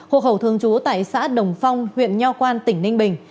hộ khẩu thương chú tại xã đồng phong huyện nho quan tỉnh ninh bình